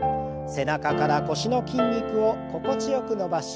背中から腰の筋肉を心地よく伸ばし